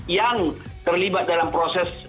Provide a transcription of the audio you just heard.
yang terlibat dalam proses